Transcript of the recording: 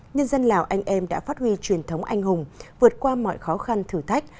nhân dân lào anh em đã phát huy truyền thống anh hùng vượt qua mọi khó khăn thử thách